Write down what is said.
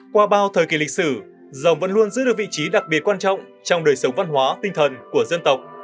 qua bao thời kỳ lịch sử rồng vẫn luôn giữ được vị trí đặc biệt quan trọng trong đời sống văn hóa tinh thần của dân tộc